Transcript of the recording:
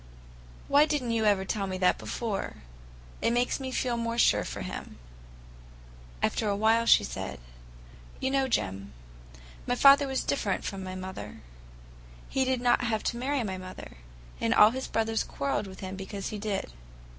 "Why did n't you ever tell me that before? It makes me feel more sure for him." After a while she said: "You know, Jim, my father was different from my mother. He did not have to marry my mother, and all his brothers quarreled with him because he did.